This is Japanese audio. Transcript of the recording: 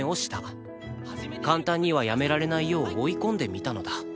簡単にはやめられないよう追い込んでみたのだ